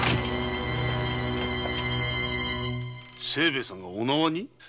清兵衛さんがお縄に？